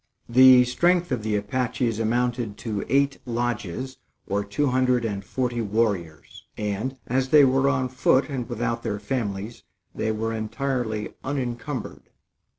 The strength of the Apaches amounted to eight lodges, or two hundred and forty warriors; and, as they were on foot and without their families, they were entirely unencumbered.